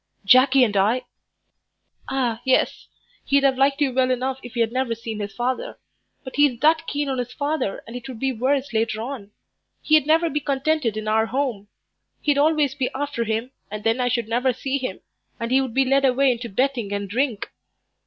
"Jackie and I " "Ah, yes; he'd have liked you well enough if he'd never seen his father. But he's that keen on his father, and it would be worse later on. He'd never be contented in our 'ome. He'd be always after him, and then I should never see him, and he would be led away into betting and drink."